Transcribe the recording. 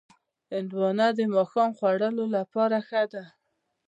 هندوانه د ماښام خوړلو لپاره ښه ده.